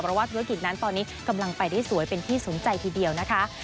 เพราะว่าธุรกิจนั้นตอนนี้กำลังไปได้สวยเป็นที่สนใจทีเดียวนะคะ